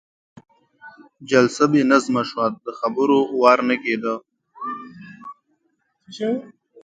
جلسه بې نظمه شوه، د خبرو وار نه کېده.